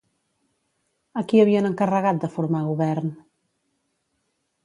A qui havien encarregat de formar govern?